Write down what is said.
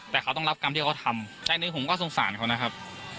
แต่เขาต้องรับกรรมที่เขาทำใจหนึ่งผมก็สงสารเขานะครับ